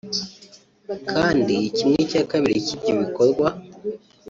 kandi kimwe cya kabiri cy’ibyo bikorwa